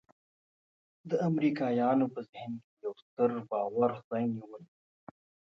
د امریکایانو په ذهن کې یو ستر باور ځای نیولی.